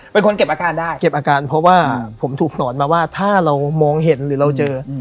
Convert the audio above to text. เป็นคนเก็บอาการได้เก็บอาการเพราะว่าผมถูกหนอนมาว่าถ้าเรามองเห็นหรือเราเจอ